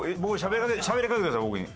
しゃべりかけてください僕に。